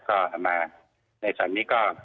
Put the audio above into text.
ก็เอามาในส่วนนี้ก็